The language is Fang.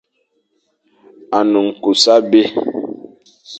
A ne nkus abé.